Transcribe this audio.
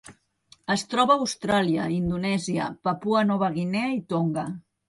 Es troba a Austràlia, Indonèsia, Papua Nova Guinea i Tonga.